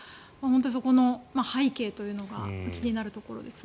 そこの背景というのが気になるところですね。